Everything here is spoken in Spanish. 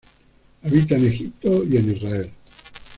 Habita en Egipto y en Israel.